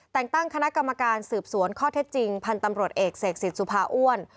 แต่งตั้งคณะกรรมการสืบสวนข้อเท็จจริงพันธ์ตำรวจเอกเสกสิทธิสุภาอ้วน